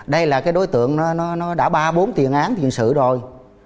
đây là cái đối tượng nó đã ba bốn tiền án tiền sự rồi